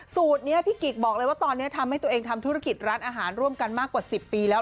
สูตรนี้พี่กิ๊กบอกเลยว่าตอนนี้ทำให้ตัวเองทำธุรกิจร้านอาหารร่วมกันมากกว่า๑๐ปีแล้ว